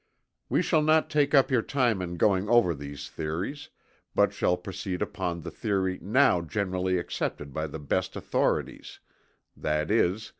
We shall not take up your time in going over these theories, but shall proceed upon the theory now generally accepted by the best authorities; i.e.